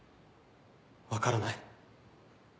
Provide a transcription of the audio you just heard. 分からない。